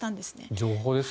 情報ですね。